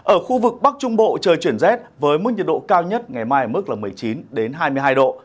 ở khu vực bắc trung bộ trời chuyển rét với mức nhiệt độ cao nhất ngày mai ở mức một mươi chín hai mươi hai độ